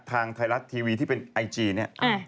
ทางไทยรัฐทีวีที่เป็นไอจีเนี่ย